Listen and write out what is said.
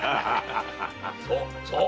そうそう！